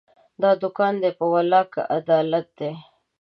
دا دوکان دی، په والله که عدالت دی